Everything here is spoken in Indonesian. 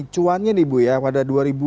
cuannya nih ibu ya pada dua ribu dua